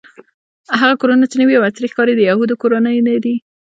هغه کورونه چې نوې او عصري ښکاري د یهودو کورونه دي.